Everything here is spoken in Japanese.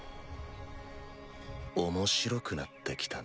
面白くなってきたな。